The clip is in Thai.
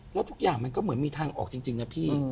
แล้วทุกอย่างมันก็เหมือนมีทางออกจริงนะพี่